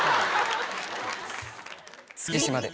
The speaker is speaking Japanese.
月島で。